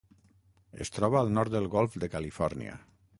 Es troba al nord del Golf de Califòrnia.